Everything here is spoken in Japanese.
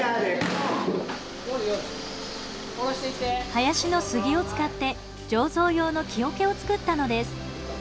林の杉を使って醸造用の木おけを作ったのです。